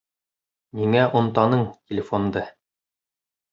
Ниңә онтаның телефонды?